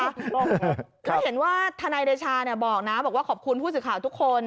แล้วเห็นว่าทนายเดชาบอกนะบอกว่าขอบคุณผู้สื่อข่าวทุกคน